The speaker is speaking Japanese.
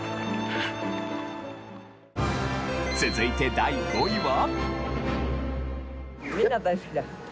続いて第５位は。